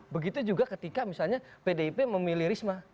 begitu juga ketika misalnya pdip memilih risma